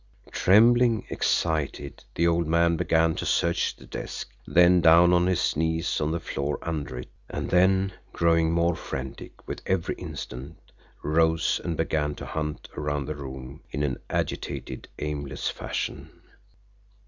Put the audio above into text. Trembling, excited, the old man began to search the desk, then down on his knees on the floor under it; and then, growing more frantic with every instant, rose and began to hunt around the room in an agitated, aimless fashion.